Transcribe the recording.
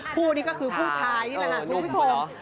คู่นี้ก็คือผู้ชายนี่แหละค่ะคุณผู้ชม